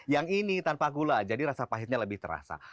yang ini tanpa gula jadi rasa pahitnya lebih terasa